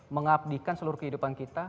mengabdikan seluruh kehidupan kita